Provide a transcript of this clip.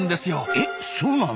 えっそうなの？